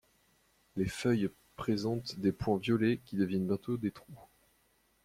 Les feuilles présentent des points violets qui deviennent bientôt des trous.